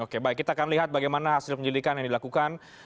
oke baik kita akan lihat bagaimana hasil penyelidikan yang dilakukan